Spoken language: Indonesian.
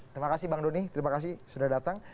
terima kasih bang doni terima kasih sudah datang